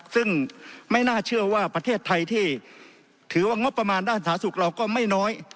ซึ่งไม่น่าเชื่อว่าประเทศไทยที่ถือว่างบประมาณด้านสาธารณสุขเราก็ไม่น้อย